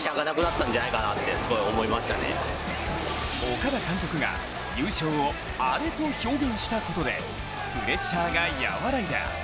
岡田監督が優勝をアレと表現したことで、プレッシャーが和らいだ。